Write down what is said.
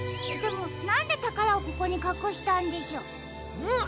でもなんでたからをここにかくしたんでしょう？